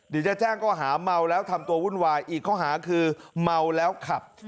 เดี๋ยวจะแจ้งข้อหาเมาแล้วทำตัววุ่นวายอีกข้อหาคือเมาแล้วขับ